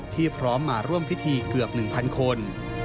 พร้อมมาร่วมพิธีเกือบ๑๐๐คน